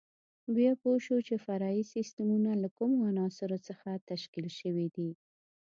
بیا پوه شو چې فرعي سیسټمونه له کومو عناصرو څخه تشکیل شوي دي.